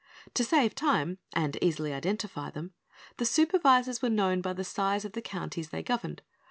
To save time, and easily identify them, the supervisors were known by the size of the counties they governed.